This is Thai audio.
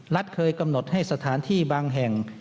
เคยกำหนดให้สถานที่บางแห่ง